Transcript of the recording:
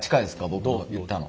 僕言ったの。